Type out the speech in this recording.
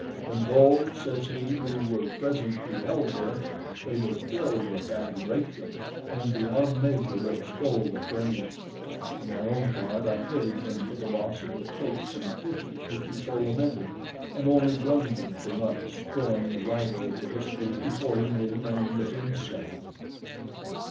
When those, says he, who were present beheld this, they were filled with admiration, and beyond measure extolled Afranius. For my own part, I pitied him for the loss of the cakes and dishes which he so lamented, and only blamed him for not destroying the writer of the history before he made an end of himself.